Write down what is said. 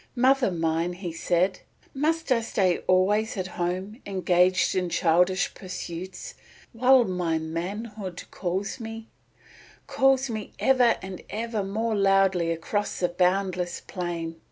"Mother mine," he said, "must I stay always at home engaged in childish pursuits while my manhood calls me, calls me ever and ever more loudly across the boundless plain?